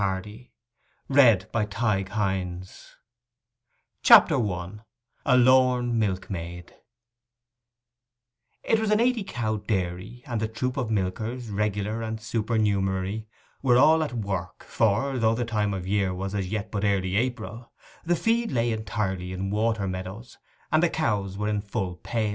March 1883. THE WITHERED ARM CHAPTER I—A LORN MILKMAID It was an eighty cow dairy, and the troop of milkers, regular and supernumerary, were all at work; for, though the time of year was as yet but early April, the feed lay entirely in water meadows, and the cows were 'in full pail.